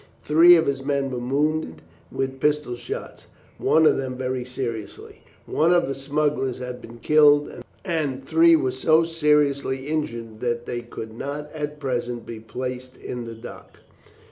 Three of his men were wounded with pistol shots, one of them very seriously. One of the smugglers had been killed, and three were so seriously injured that they could not at present be placed in the dock.